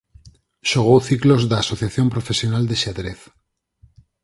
Xogou ciclos da Asociación Profesional de Xadrez.